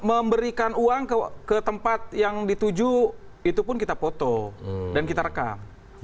memberikan uang ke tempat yang dituju itu pun kita foto dan kita rekam